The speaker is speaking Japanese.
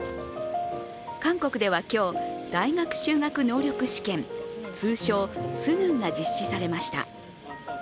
韓国では今日、大学修学能力試験通称スヌンが実施されました。